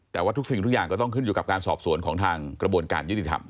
แต่ว่าทุกสิ่งทุกอย่างก็ต้องขึ้นอยู่กับการสอบสวนของทางกระบวนการยุติธรรม